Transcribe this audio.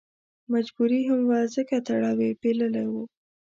مجبوري هم وه ځکه تړاو یې پېیلی و.